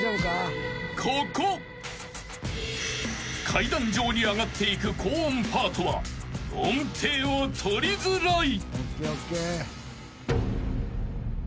［階段状に上がっていく高音パートは音程を取りづらい］